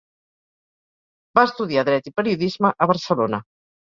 Va estudiar Dret i Periodisme a Barcelona.